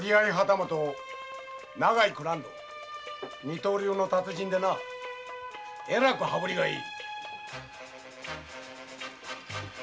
二刀流の達人でえらく羽振りがいい。